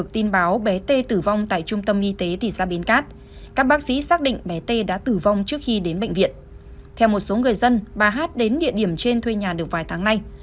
theo một số người dân bà hát đến địa điểm trên thuê nhà được vài tháng nay